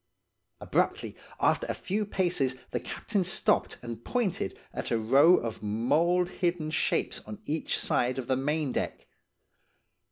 "Abruptly, after a few paces, the captain stopped and pointed at a row of mould hidden shapes on each side of the maindeck.